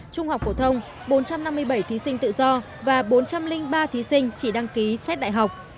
trung học phổ thông bốn trăm năm mươi bảy thí sinh tự do và bốn trăm linh ba thí sinh chỉ đăng ký xét đại học